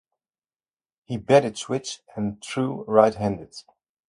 He batted switch and threw right-handed.